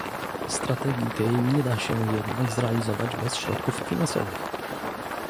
Strategii tej nie da się jednak realizować bez środków finansowych